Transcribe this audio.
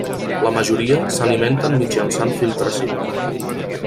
La majoria s'alimenten mitjançant filtració.